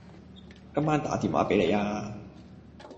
今晚打電話畀你吖